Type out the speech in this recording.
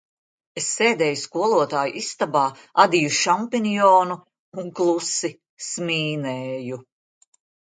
Es sēdēju skolotāju istabā, adīju šampinjonu un klusi smīnēju.